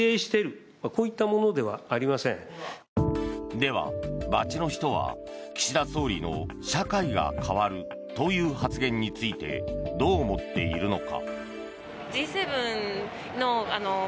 では、街の人は岸田総理の社会が変わるという発言についてどう思っているのか。